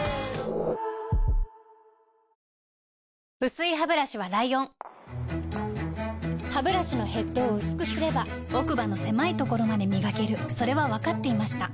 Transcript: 薄いハブラシはライオンハブラシのヘッドを薄くすれば奥歯の狭いところまで磨けるそれは分かっていました